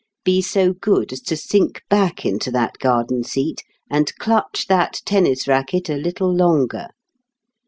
Be so good as to sink back into that garden seat and clutch that tennis racket a little longer.